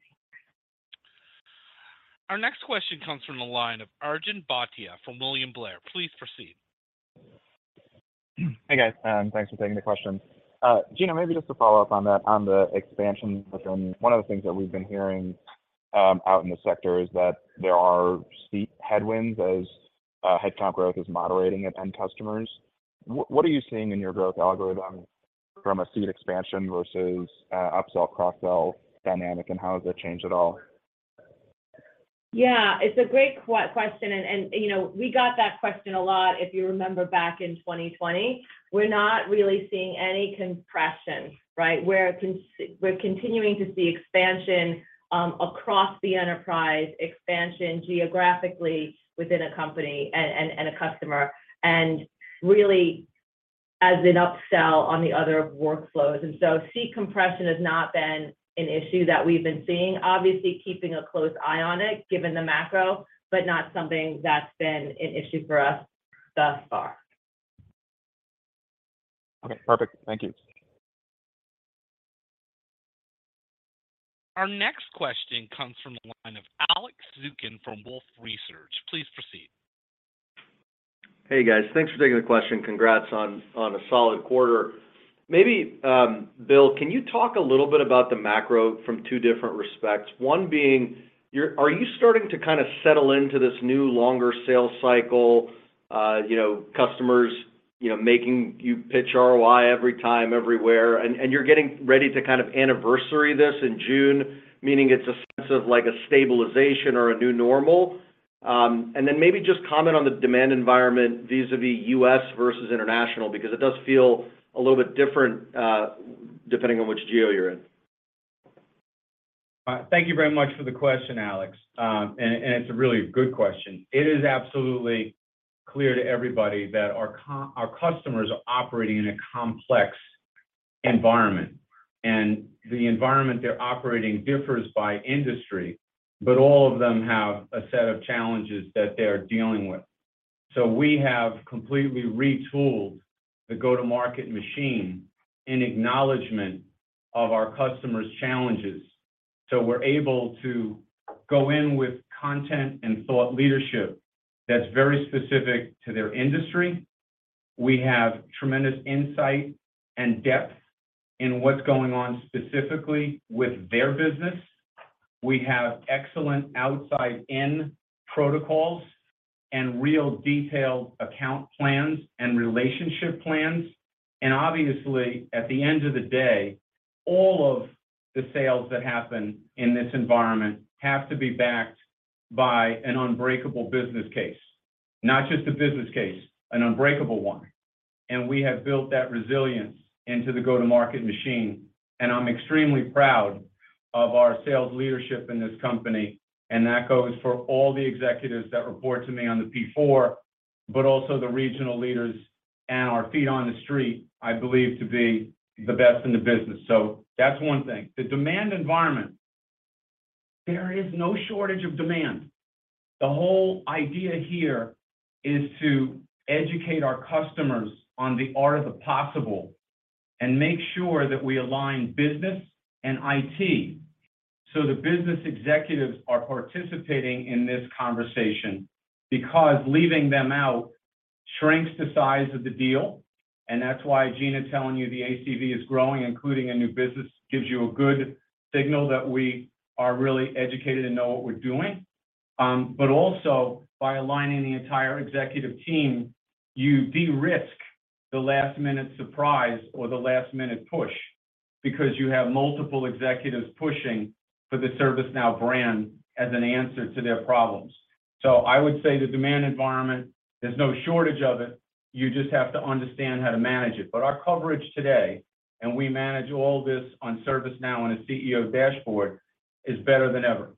Our next question comes from the line of Arjun Bhatia from William Blair. Please proceed. Hey, guys, thanks for taking the questions. Gina, maybe just to follow up on that, on the expansion front, one of the things that we've been hearing out in the sector is that there are steep headwinds as headcount growth is moderating at end customers. What are you seeing in your growth algorithm from a seat expansion versus upsell, cross-sell dynamic, and how has that changed at all? Yeah, it's a great question, you know, we got that question a lot if you remember back in 2020. We're not really seeing any compression, right? We're continuing to see expansion across the enterprise, expansion geographically within a company and a customer, and really as an upsell on the other workflows. Seat compression has not been an issue that we've been seeing. Obviously, keeping a close eye on it, given the macro, but not something that's been an issue for us thus far. Okay, perfect. Thank you. Our next question comes from the line of Alex Zukin from Wolfe Research. Please proceed. Hey, guys. Thanks for taking the question. Congrats on a solid quarter. Maybe Bill, can you talk a little bit about the macro from two different respects? One being, are you starting to kinda settle into this new longer sales cycle, you know, customers, you know, making you pitch ROI every time, everywhere, and you're getting ready to kind of anniversary this in June, meaning it's a sense of like a stabilization or a new normal? Maybe just comment on the demand environment vis-a-vis US versus international, because it does feel a little bit different, depending on which geo you're in. Thank you very much for the question, Alex. It's a really good question. It is absolutely clear to everybody that our customers are operating in a complex environment, and the environment they're operating differs by industry, but all of them have a set of challenges that they're dealing with. We have completely retooled the go-to-market machine in acknowledgment of our customers' challenges. We're able to go in with content and thought leadership that's very specific to their industry. We have tremendous insight and depth in what's going on specifically with their business. We have excellent outside-in protocols and real detailed account plans and relationship plans. Obviously, at the end of the day, all of the sales that happen in this environment have to be backed by an unbreakable business case, not just a business case, an unbreakable one. We have built that resilience into the go-to-market machine, and I'm extremely proud of our sales leadership in this company. That goes for all the executives that report to me on the P4, but also the regional leaders and our feet on the street, I believe to be the best in the business. That's one thing. The demand environment, there is no shortage of demand. The whole idea here is to educate our customers on the art of the possible and make sure that we align business and IT, so the business executives are participating in this conversation because leaving them out shrinks the size of the deal. That's why Gina is telling you the AC is growing, including a new business, gives you a good signal that we are really educated and know what we're doing. Also by aligning the entire executive team, you de-risk the last minute surprise or the last minute push because you have multiple executives pushing for the ServiceNow brand as an answer to their problems. I would say the demand environment, there's no shortage of it. You just have to understand how to manage it. Our coverage today, and we manage all this on ServiceNow on a CEO dashboard, is better than ever.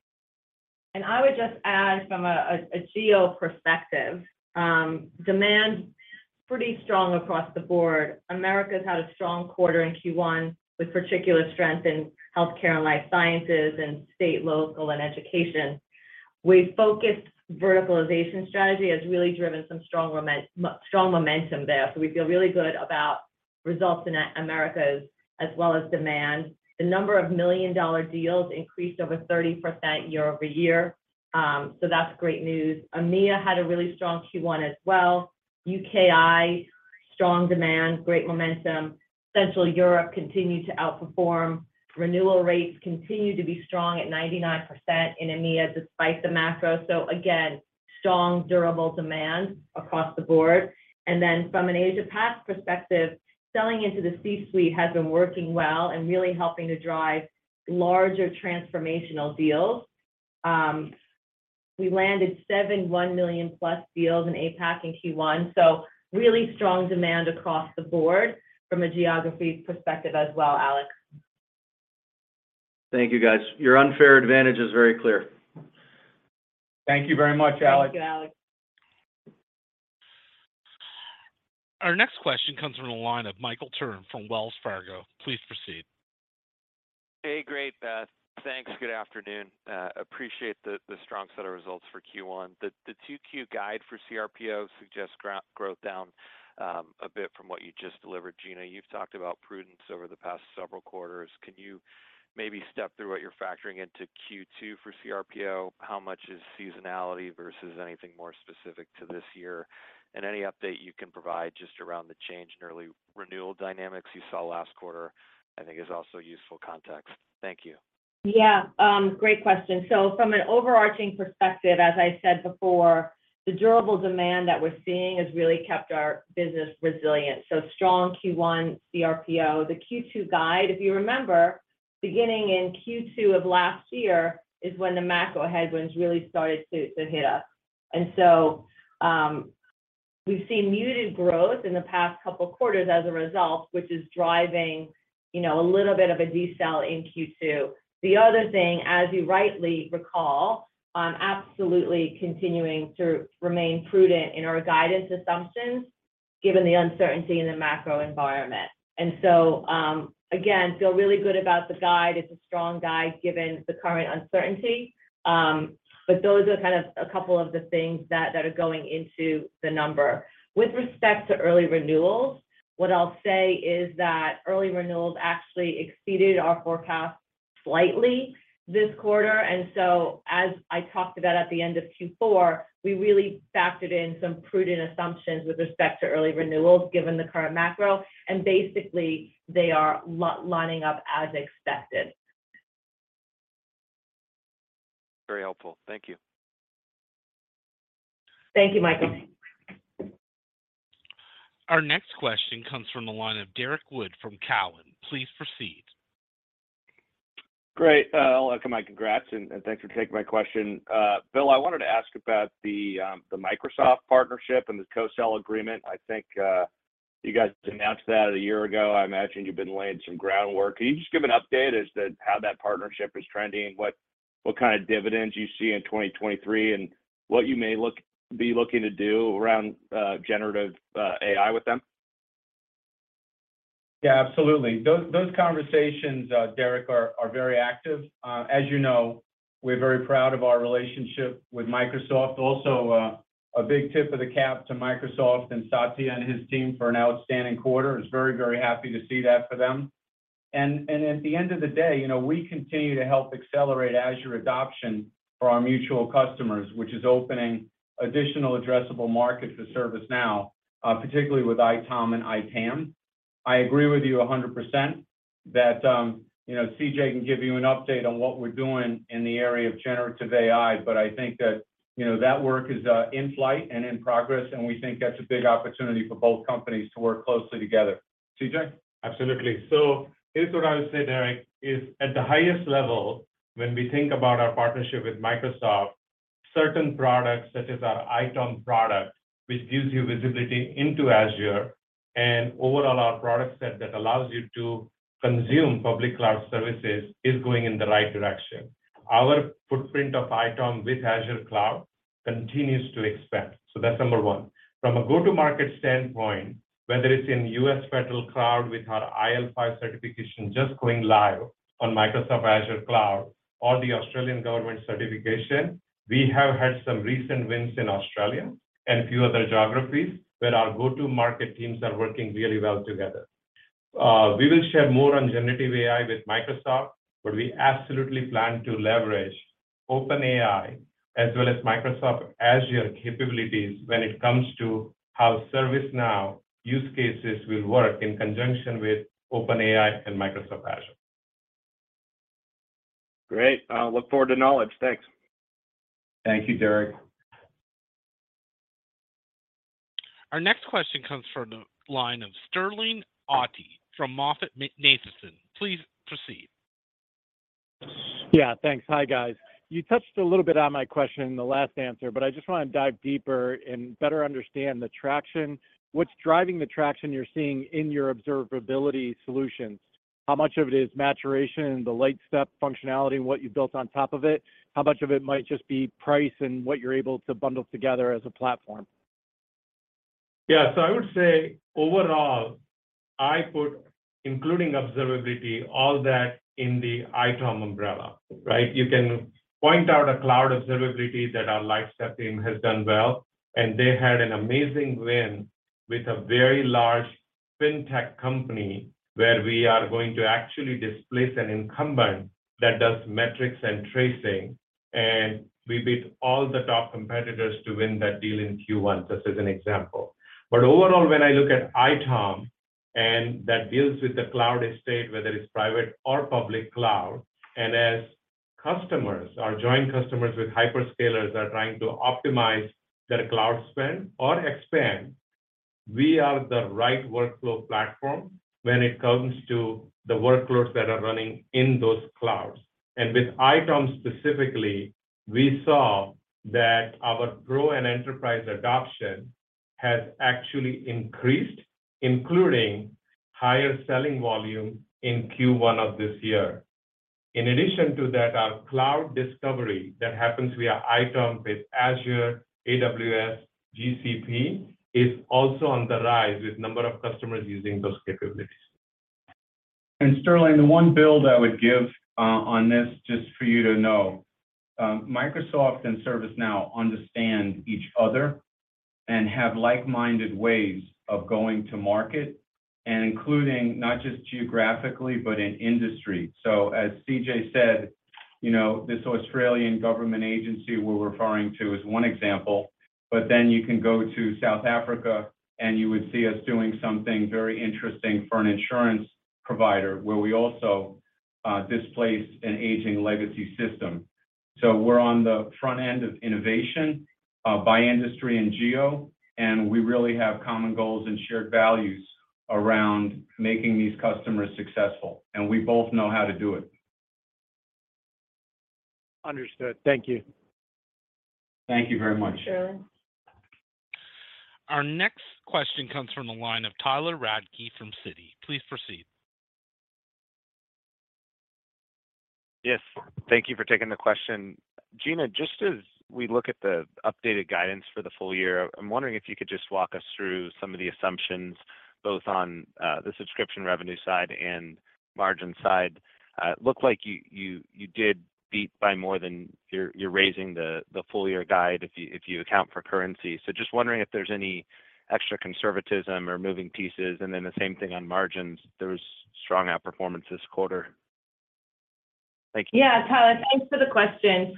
I would just add from a geo perspective, demand pretty strong across the board. Americas had a strong quarter in Q1, with particular strength in healthcare and life sciences and state, local, and education. Our focused verticalization strategy has really driven strong momentum there. We feel really good about results in Americas as well as demand. The number of million-dollar deals increased over 30% year-over-year. That's great news. EMEA had a really strong Q1 as well. UKI, strong demand, great momentum. Central Europe continued to outperform. Renewal rates continued to be strong at 99% in EMEA despite the macro. Again, strong durable demand across the board. From an Asia Pac perspective, selling into the C-suite has been working well and really helping to drive larger transformational deals. We landed 7 $1 million-plus deals in APAC in Q1. Really strong demand across the board from a geography perspective as well, Alex. Thank you, guys. Your unfair advantage is very clear. Thank you very much, Alex. Thank you, Alex. Our next question comes from the line of Michael Turrin from Wells Fargo. Please proceed. Hey, great, Beth. Thanks. Good afternoon. appreciate the strong set of results for Q1. The 2Q guide for CRPO suggests growth down a bit from what you just delivered. Gina, you've talked about prudence over the past several quarters. Can you maybe step through what you're factoring into Q2 for CRPO? How much is seasonality versus anything more specific to this year? Any update you can provide just around the change in early renewal dynamics you saw last quarter, I think is also useful context. Thank you. Yeah, great question. From an overarching perspective, as I said before, the durable demand that we're seeing has really kept our business resilient. Strong Q1 C. The Q2 guide, if you remember, beginning in Q2 of last year, is when the macro headwinds really started to hit us. We've seen muted growth in the past couple of quarters as a result, which is driving, you know, a little bit of a decel in Q2. The other thing, as you rightly recall, absolutely continuing to remain prudent in our guidance assumptions given the uncertainty in the macro environment. Again, feel really good about the guide. It's a strong guide given the current uncertainty. But those are kind of a couple of the things that are going into the number. With respect to early renewals, what I'll say is that early renewals actually exceeded our forecast slightly this quarter. As I talked about at the end of Q4, we really factored in some prudent assumptions with respect to early renewals given the current macro, and basically, they are lining up as expected. Very helpful. Thank you. Thank you, Michael. Our next question comes from the line of Derrick Wood from Cowen. Please proceed. Great. Welcome and congrats, and thanks for taking my question. Bill, I wanted to ask about the Microsoft partnership and the co-sell agreement. I think you guys announced that a year ago. I imagine you've been laying some groundwork. Can you just give an update as to how that partnership is trending? What kind of dividends you see in 2023 and what you may be looking to do around generative AI with them? Yeah, absolutely. Those conversations, Derrick, are very active. Also, a big tip of the cap to Microsoft and Satya and his team for an outstanding quarter. I was very happy to see that for them. At the end of the day, you know, we continue to help accelerate Azure adoption for our mutual customers, which is opening additional addressable market for ServiceNow, particularly with ITOM and ITAM. I agree with you 100%. That, you know, CJ can give you an update on what we're doing in the area of generative AI, but I think that, you know, that work is in flight and in progress, and we think that's a big opportunity for both companies to work closely together. CJ? Absolutely. Here's what I would say, Derrick, is at the highest level, when we think about our partnership with Microsoft, certain products such as our ITOM product, which gives you visibility into Azure, and overall our product set that allows you to consume public cloud services is going in the right direction. Our footprint of ITOM with Azure Cloud continues to expand. That's number one. From a go-to-market standpoint, whether it's in US federal cloud with our IL5 certification just going live on Microsoft Azure Cloud or the Australian government certification, we have had some recent wins in Australia and a few other geographies where our go-to-market teams are working really well together. We will share more on generative AI with Microsoft. We absolutely plan to leverage OpenAI as well as Microsoft Azure capabilities when it comes to how ServiceNow use cases will work in conjunction with OpenAI and Microsoft Azure. Great. I'll look forward to Knowledge. Thanks. Thank you, Derrick. Our next question comes from the line of Sterling Auty from MoffettNathanson. Please proceed. Yeah, thanks. Hi, guys. You touched a little bit on my question in the last answer. I just wanna dive deeper and better understand the traction. What's driving the traction you're seeing in your observability solutions? How much of it is maturation, the Lightstep functionality, and what you built on top of it? How much of it might just be price and what you're able to bundle together as a platform? I would say overall, I put including observability, all that in the ITOM umbrella, right? You can point out a cloud observability that our Lightstep team has done well, and they had an amazing win with a very large fintech company where we are going to actually displace an incumbent that does metrics and tracing, and we beat all the top competitors to win that deal in Q1. Just as an example. Overall, when I look at ITOM, and that deals with the cloud estate, whether it's private or public cloud. As customers or joint customers with hyperscalers are trying to optimize their cloud spend or expand, we are the right workflow platform when it comes to the workloads that are running in those clouds. With ITOM specifically, we saw that our grow and enterprise adoption has actually increased, including higher selling volume in Q1 of this year. In addition to that, our cloud discovery that happens via ITOM with Azure, AWS, GCP is also on the rise with number of customers using those capabilities. Sterling, the one build I would give on this just for you to know, Microsoft and ServiceNow understand each other and have like-minded ways of going to market and including not just geographically, but in industry. As CJ said, you know, this Australian government agency we're referring to is one example. You can go to South Africa, and you would see us doing something very interesting for an insurance provider where we also displaced an aging legacy system. We're on the front end of innovation by industry and geo, and we really have common goals and shared values around making these customers successful, and we both know how to do it. Understood. Thank you. Thank you very much. Our next question comes from the line of Tyler Radke from Citi. Please proceed. Yes. Thank you for taking the question. Gina, just as we look at the updated guidance for the full year, I'm wondering if you could just walk us through some of the assumptions, both on the subscription revenue side and margin side. It looked like you did beat by more than-- you're raising the full year guide if you account for currency. Just wondering if there's any extra conservatism or moving pieces. The same thing on margins. There was strong outperformance this quarter. Thank you. Yeah. Tyler, thanks for the question.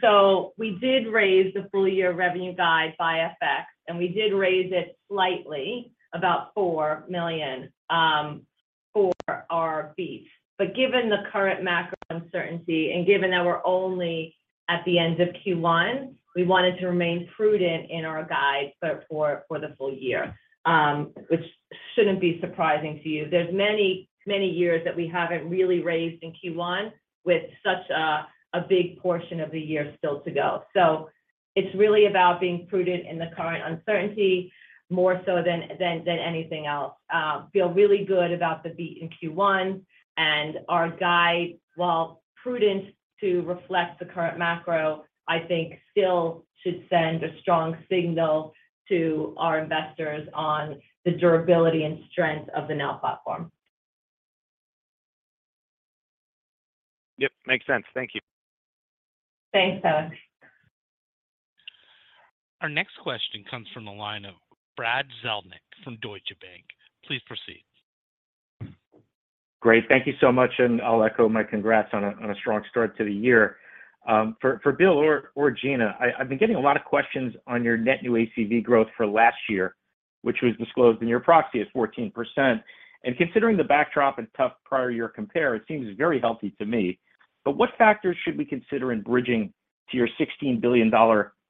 We did raise the full year revenue guide by FX, and we did raise it slightly about $4 million for our beat. Given the current macro uncertainty and given that we're only at the end of Q1, we wanted to remain prudent in our guide, but for the full year, which shouldn't be surprising to you. There's many, many years that we haven't really raised in Q1 with such a big portion of the year still to go. It's really about being prudent in the current uncertainty more so than anything else. Feel really good about the beat in Q1 and our guide, while prudent to reflect the current macro, I think still should send a strong signal to our investors on the durability and strength of the Now Platform. Yep. Makes sense. Thank you. Thanks, Tyler. Our next question comes from the line of Brad Zelnick from Deutsche Bank. Please proceed. Great. Thank you so much. I'll echo my congrats on a strong start to the year. For Bill or Gina, I've been getting a lot of questions on your net new ACV growth for last year. Which was disclosed in your proxy as 14%. Considering the backdrop and tough prior year compare, it seems very healthy to me. What factors should we consider in bridging to your $16 billion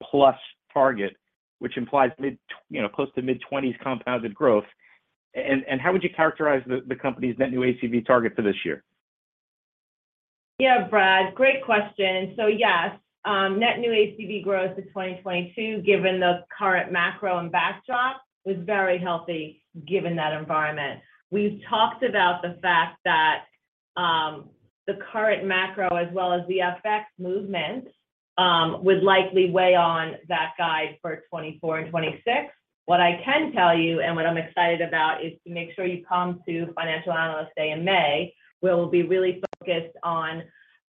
plus target, which implies you know, close to mid-20s compounded growth? How would you characterize the company's net new ACV target for this year? Yeah, Brad. Great question. Yes, net new ACV growth for 2022, given the current macro and backdrop, was very healthy given that environment. We've talked about the fact that, the current macro as well as the FX movement, would likely weigh on that guide for 2024 and 2026. What I can tell you, and what I'm excited about, is to make sure you come to Financial Analyst Day in May. We'll be really focused on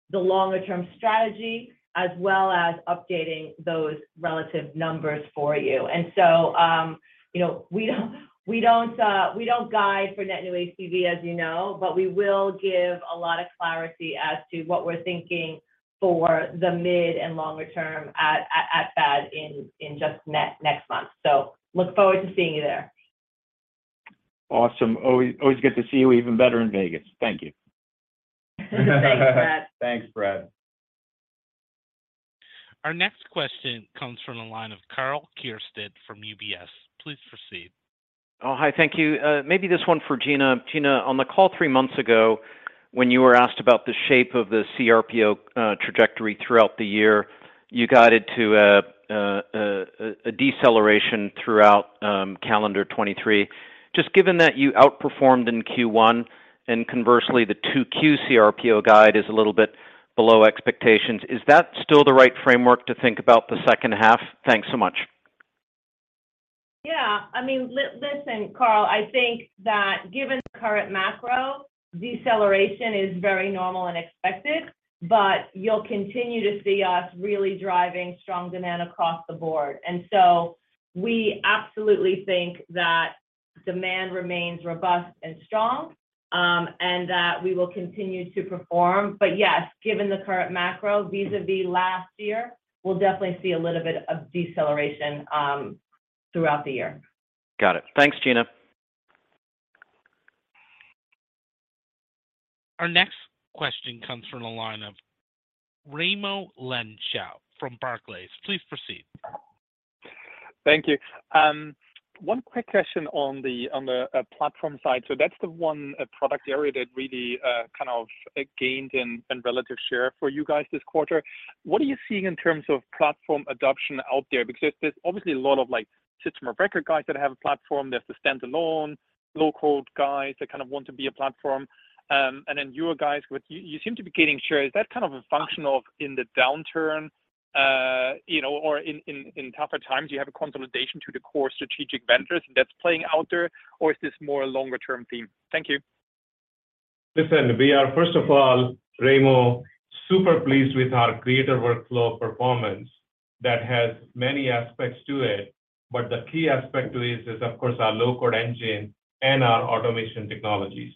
the longer-term strategy, as well as updating those relative numbers for you. You know, we don't guide for net new ACV, as you know, but we will give a lot of clarity as to what we're thinking for the mid and longer term at FAD in just next month. Look forward to seeing you there. Awesome. Always, always good to see you, even better in Vegas. Thank you. Thanks, Brad. Thanks, Brad. Our next question comes from the line of Karl Keirstead from UBS. Please proceed. Hi. Thank you. Maybe this one for Gina. Gina, on the call 3 months ago, when you were asked about the shape of the CRPO trajectory throughout the year, you guided to a deceleration throughout calendar 2023. Just given that you outperformed in Q1, and conversely, the 2Q CRPO guide is a little bit below expectations, is that still the right framework to think about the second half? Thanks so much. Yeah. I mean, listen, Karl, I think that given the current macro, deceleration is very normal and expected. You'll continue to see us really driving strong demand across the board. We absolutely think that demand remains robust and strong, and that we will continue to perform. Yes, given the current macro, vis-à-vis last year, we'll definitely see a little bit of deceleration throughout the year. Got it. Thanks, Gina. Our next question comes from the line of Raimo Lenschow from Barclays. Please proceed. Thank you. One quick question on the platform side. That's the one product area that really kind of gained in relative share for you guys this quarter. What are you seeing in terms of platform adoption out there? There's obviously a lot of, like, system of record guys that have a platform. There's the standalone, low-code guys that kind of want to be a platform. You seem to be gaining share. Is that kind of a function of in the downturn, you know, or in tougher times, you have a consolidation to the core strategic vendors that's playing out there, or is this more a longer-term theme? Thank you. Listen, we are, first of all, Raimo, super pleased with our creator workflow performance that has many aspects to it. The key aspect to it is, of course, our low-code engine and our automation technologies.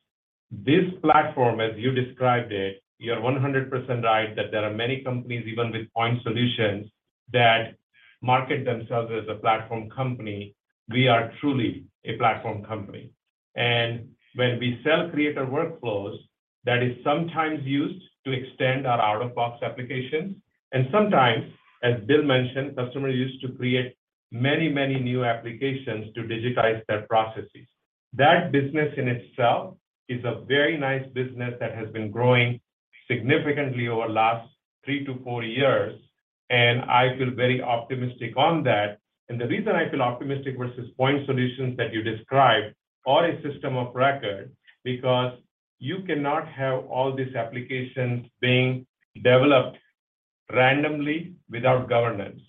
This platform, as you described it, you're 100% right that there are many companies, even with point solutions, that market themselves as a platform company. We are truly a platform company. When we sell creator workflows, that is sometimes used to extend our out-of-box applications. Sometimes, as Bill mentioned, customers use to create many, many new applications to digitize their processes. That business in itself is a very nice business that has been growing significantly over the last 3-4 years, and I feel very optimistic on that. The reason I feel optimistic versus point solutions that you described or a system of record, because you cannot have all these applications being developed randomly without governance.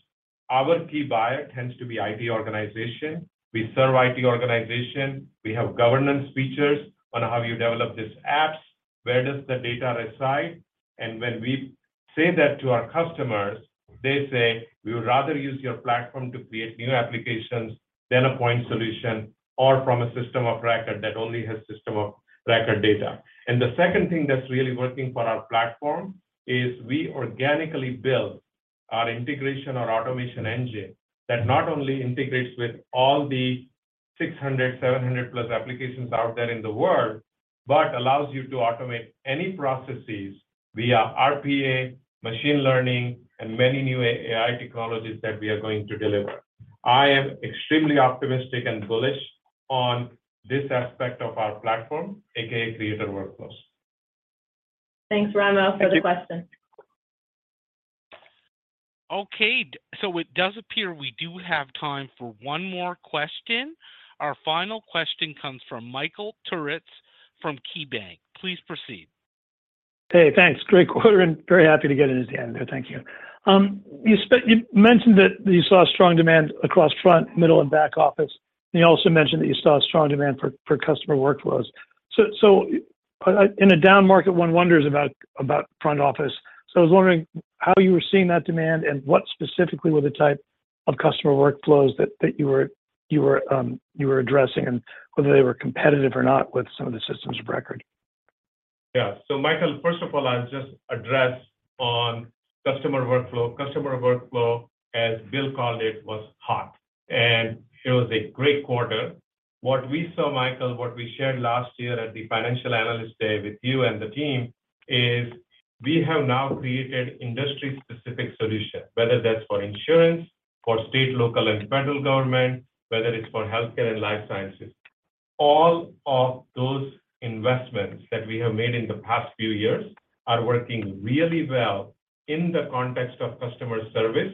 Our key buyer tends to be IT organization. We serve IT organization. We have governance features on how you develop these apps. Where does the data reside? When we say that to our customers, they say, "We would rather use your platform to create new applications than a point solution or from a system of record that only has system of record data." The second thing that's really working for our platform is we organically build our integration or automation engine that not only integrates with all the 600, 700 plus applications out there in the world, but allows you to automate any processes via RPA, machine learning, and many new AI technologies that we are going to deliver. I am extremely optimistic and bullish on this aspect of our platform, AKA creator workflows. Thanks, Raimo, for the question. Okay. It does appear we do have time for one more question. Our final question comes from Michael Turits from KeyBanc. Please proceed. Hey, thanks. Great quarter, and very happy to get in at the end there. Thank you. You mentioned that you saw strong demand across front, middle, and back office. You also mentioned that you saw strong demand for customer workflows. In a down market, one wonders about front office. I was wondering how you were seeing that demand and what specifically were the type of customer workflows that you were addressing, and whether they were competitive or not with some of the systems of record? Yeah. Michael, first of all, I'll just address on customer workflow. Customer workflow, as Bill McDermott called it, was hot, and it was a great quarter. What we saw, Michael, what we shared last year at the Financial Analyst Day with you and the team is we have now created industry-specific solutions, whether that's for insurance, for state, local, and federal government, whether it's for healthcare and life sciences. All of those investments that we have made in the past few years are working really well in the context of customer service,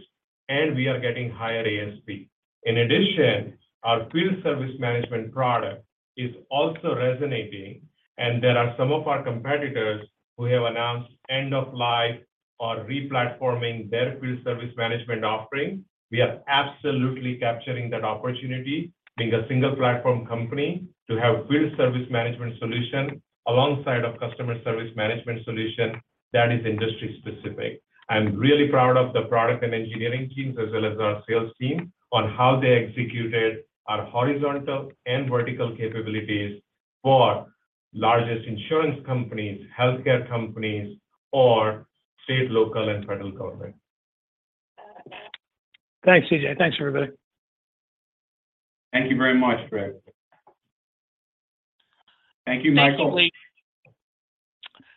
and we are getting higher ASP. In addition, our field service management product is also resonating, and there are some of our competitors who have announced end of life or replatforming their field service management offering. We are absolutely capturing that opportunity, being a single platform company, to have field service management solution alongside a customer service management solution that is industry-specific. I'm really proud of the product and engineering teams, as well as our sales team, on how they executed our horizontal and vertical capabilities for largest insurance companies, healthcare companies, or state, local, and federal government. Thanks, CJ. Thanks, everybody. Thank you very much, Greg. Thank you, Michael.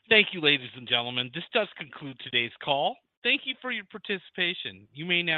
Thank you, ladies and gentlemen. This does conclude today's call. Thank you for your participation. You may now disconnect.